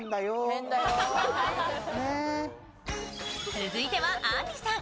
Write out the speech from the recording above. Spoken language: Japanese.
続いては、あんりさん。